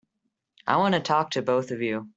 I want to talk to both of you.